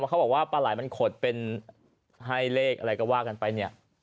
เขาบอกว่าปลาไหล่มันขดเป็นให้เลขอะไรก็ว่ากันไปเนี่ย